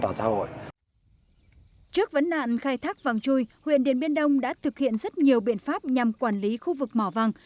trước vấn nạn khai thác vàng chui huyện điền biên đông đã thực hiện rất nhiều biện pháp nhằm quản lý khu vực mỏ vàng